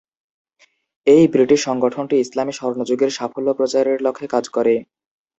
এই ব্রিটিশ সংগঠনটি ইসলামি স্বর্ণযুগের সাফল্য প্রচারের লক্ষ্যে কাজ করে।